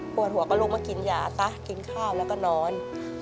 หัวก็ลุกมากินยาซะกินข้าวแล้วก็นอน